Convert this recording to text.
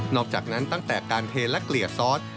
อกจากนั้นตั้งแต่การเทและเกลี่ยซอส